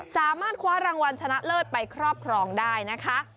สามารถคว้ารางวัลชนะเลิศไปครอบครองได้นะคะ